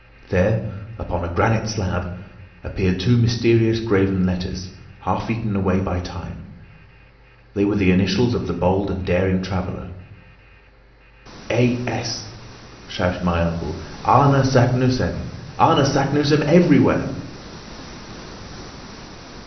There, upon a granite slab, appeared two mysterious graven letters, half eaten away by time. They were the initials of the bold and daring traveller: [Runic initials appear here] "A. S.," shouted my uncle. "Arne Saknussemm! Arne Saknussemm everywhere!"